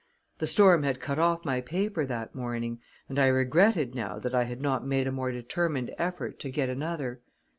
The storm had cut off my paper that morning, and I regretted now that I had not made a more determined effort to get another.